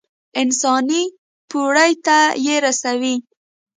انساني پوړۍ ته يې رسوي.